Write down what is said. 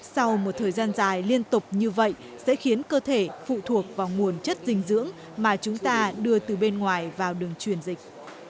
sau một thời gian dài liên tục như vậy sẽ khiến cơ thể phụ thuộc vào nguồn chất dinh dưỡng mà chúng ta đưa từ bên ngoài vào đường truyền dịch